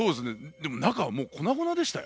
でも中はもう粉々でしたよ。